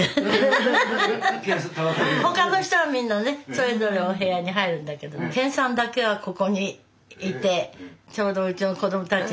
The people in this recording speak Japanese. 他の人はみんなねそれぞれお部屋に入るんだけど健さんだけはここにいてちょうどうちの子供たち